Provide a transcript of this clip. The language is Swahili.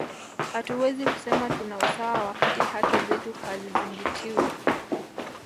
hatuwezi kusema tuna usawa wakati haki zetu hazizingztiwi